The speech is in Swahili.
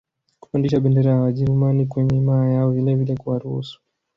kupandisha bendera ya wajerumani kwenye himaya yao vilevile kuwaruhusu